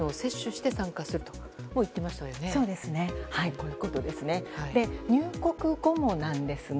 こういうことですね。